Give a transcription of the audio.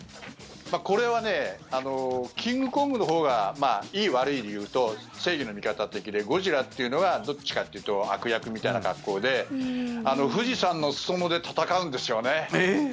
これはキングコングのほうはいい悪い理由と正義の味方的でゴジラというのはどっちかというと悪役みたいな格好で富士山の裾野で戦うんですよね。